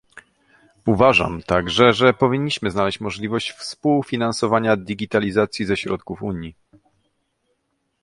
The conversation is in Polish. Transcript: Uważam także, że powinniśmy znaleźć możliwość współfinansowania digitalizacji ze środków Unii